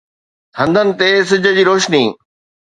هنڌن تي سج جي روشني